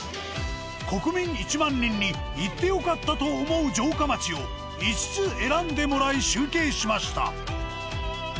国民１万人に行って良かったと思う城下町を５つ選んでもらい集計しました。